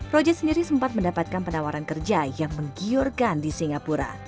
roja sendiri sempat mendapatkan penawaran kerja yang menggiurkan di singapura